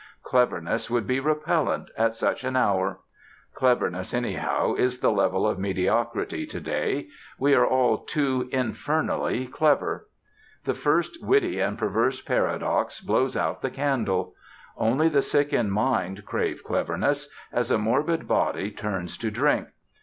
Cleverness would be repellent at such an hour. Cleverness, anyhow, is the level of mediocrity to day; we are all too infernally clever. The first witty and perverse paradox blows out the candle. Only the sick in mind crave cleverness, as a morbid body turns to drink.